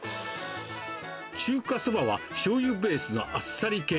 中華そばはしょうゆベースのあっさり系。